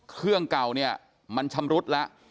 เครื่องเก่าเนี่ยมันชำรุดแล้ว